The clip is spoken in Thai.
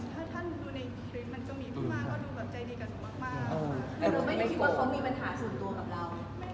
ถ้าท่านดูในคลิปมันเกิดมี